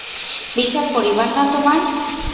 বিশাল পরিবার না তোমার?